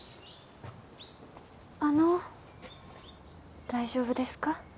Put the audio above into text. あの大丈夫ですか？